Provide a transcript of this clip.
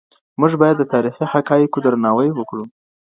موږ باید د تاریخي حقایقو درناوی وکړو.